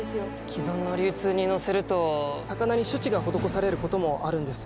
既存の流通に乗せると魚に処置が施されることもあるんです。